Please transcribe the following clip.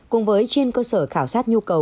cùng với trên cơ sở khảo sát nhu cầu